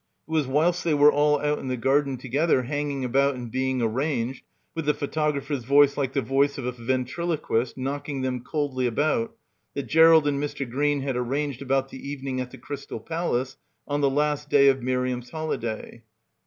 It was whilst they were all out in the garden together, hanging about and being arranged, with the photographer's voice like the voice of a ven triloquist, knocking them coldly about, that Gerald and Mr. Green had arranged about the evening at the Crystal Palace on the last day of Miriam's holiday.